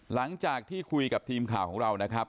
หลังจากที่คุยกับทีมข่าวของเรานะครับ